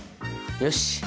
よし！